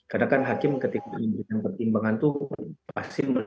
karena hakim ketika diberikan pertimbangan itu pasti berpikir